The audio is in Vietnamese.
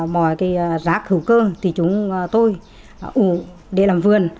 mọi rác hữu cơ thì chúng tôi ủ để làm vườn